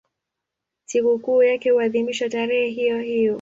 Sikukuu yake huadhimishwa tarehe hiyohiyo.